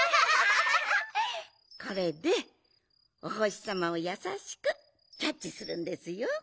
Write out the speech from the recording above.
これでおほしさまをやさしくキャッチするんですよ。